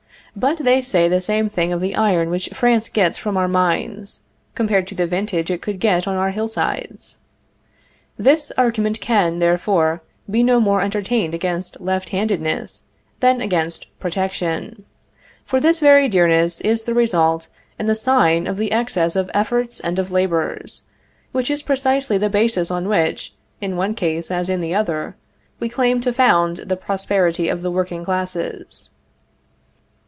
But they say the same thing of the iron which France gets from our mines, compared to the vintage it could get on our hillsides. This argument can, therefore, be no more entertained against left handedness than against protection; for this very dearness is the result and the sign of the excess of efforts and of labors, which is precisely the basis on which, in one case, as in the other, we claim to found the prosperity of the working classes.